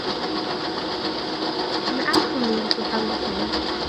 أنا أعرف ما الذى تحاول فعله.